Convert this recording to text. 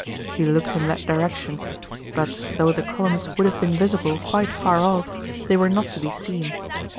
He looked in that direction, but though the columns would have been visible quite far off, they were not to be seen.